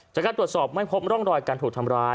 จากการตรวจสอบไม่พบร่องรอยการถูกทำร้าย